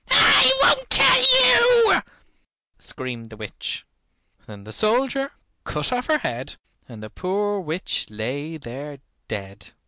"I won't tell you," screamed the witch. Then the soldier cut off her head, and the poor witch lay there dead.